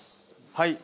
はい。